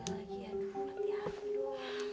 mati aku doang